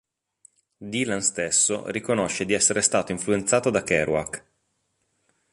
Dylan stesso riconosce di essere stato influenzato da Kerouac.